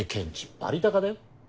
バリ高だよ？